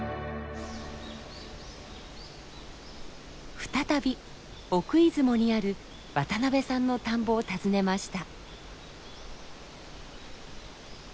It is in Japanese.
再び奥出雲にある渡部さんの田んぼを訪ねました。